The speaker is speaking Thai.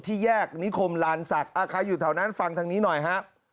แยกนิคมลานศักดิ์ใครอยู่แถวนั้นฟังทางนี้หน่อยฮะ